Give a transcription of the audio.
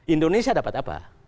indonesia dapat apa